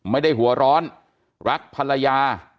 ไม่ได้หัวร้อนรักภรรยา